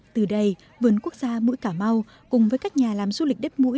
từ đây vườn quốc gia mũi cà mau cùng với các nhà làm du lịch đất mũi